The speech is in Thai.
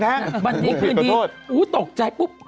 บางทีคือนี้อุ๊ยตกใจปุ๊บ